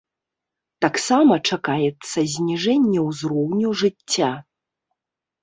Таксама чакаецца зніжэнне ўзроўню жыцця.